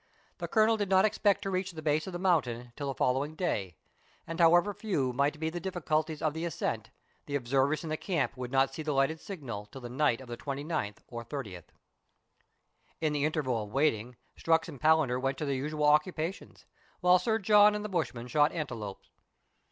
The Colonel did not expect to reach the base of the mountain till the following day, and however few might be the diffi culties of the ascent, the observers in the camp would not see the lighted signal till the night of the 29th or 30th. In the interval of waiting, Strux and Palander went to their usual occupations, while Sir John and the bushman shot antelopes.